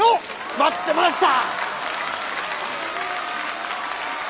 待ってました！